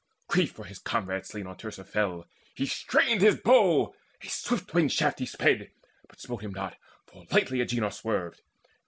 Grief for his comrade slain on Teucer fell; He strained his bow, a swift winged shaft he sped, But smote him not, for slightly Agenor swerved.